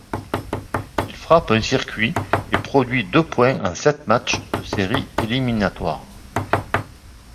Il frappe un circuit et produit deux points en sept matchs de séries éliminatoires.